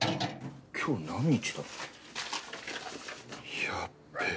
今日何日だっけ？やべっ！